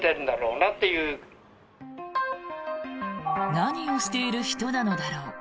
何をしている人なのだろう。